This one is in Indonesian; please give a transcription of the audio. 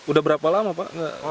udah berapa lama pak